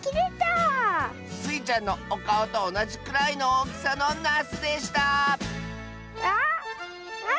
スイちゃんのおかおとおなじくらいのおおきさのなすでしたあまってましたトマト！